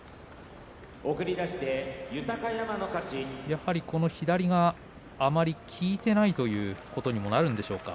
やはり左があまり効いていないということになるんでしょうか。